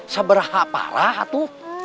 seberapa parah itu